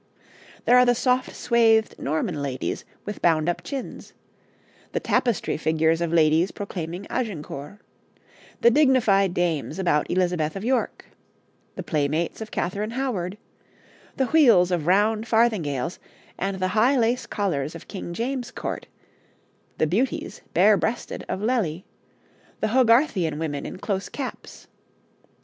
There are the soft, swathed Norman ladies with bound up chins; the tapestry figures of ladies proclaiming Agincourt; the dignified dames about Elizabeth of York; the playmates of Katherine Howard; the wheels of round farthingales and the high lace collars of King James's Court; the beauties, bare breasted, of Lely; the Hogarthian women in close caps.